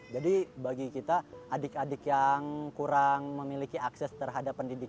jadi bagi kita adik adik yang kurang memiliki akses terhadap pendidikan